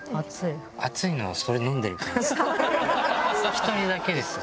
１人だけですよ